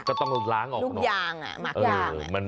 ก็ต้องล้างออกหน่อยลูกยางมักยาง